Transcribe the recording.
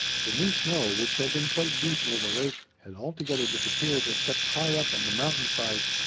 The new snow, which had been quite deep near the lake, had altogether disappeared except high up on the mountain side.